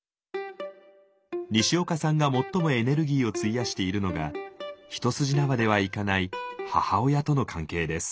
にしおかさんが最もエネルギーを費やしているのが一筋縄ではいかない母親との関係です。